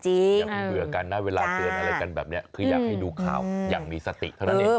เวลาเตือนอะไรกันแบบนี้คืออยากให้ดูข่าวอย่างมีสติเท่านั้น